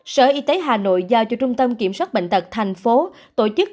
sở y tế hà nội giao cho trung tâm kiểm soát bệnh tật thành phố tổ chức